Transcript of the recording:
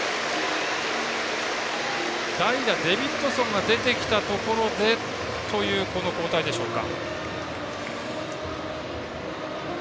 代打、デビッドソンが出てきたところでこの交代でしょうか。